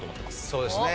そうですね。